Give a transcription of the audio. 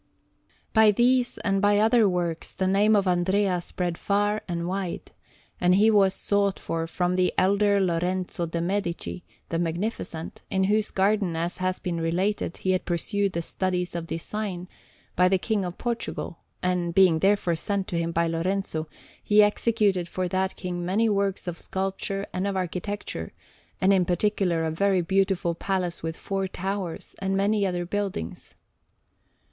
By these and by other works the name of Andrea spread far and wide, and he was sought for from the elder Lorenzo de' Medici, the Magnificent, in whose garden, as has been related, he had pursued the studies of design, by the King of Portugal; and, being therefore sent to him by Lorenzo, he executed for that King many works of sculpture and of architecture, and in particular a very beautiful palace with four towers, and many other buildings.